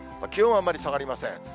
気温はあんまり下がりません。